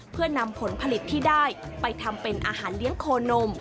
เพื่อนำผลผลิตที่ได้ไปทำเป็นอาหารเลี้ยงโคนม